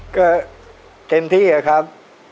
ก็เต็มที่ครับ